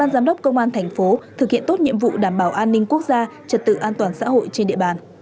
cảm ơn các bạn đã theo dõi và hẹn gặp lại